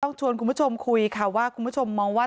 ชวนคุณผู้ชมคุยค่ะว่าคุณผู้ชมมองว่า